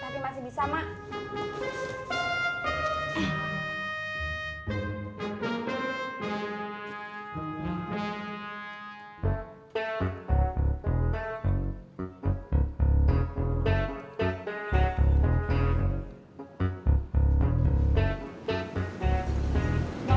tapi masih bisa mak